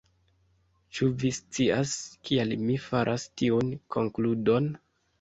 Ĉu vi scias kial mi faras tiun konkludon?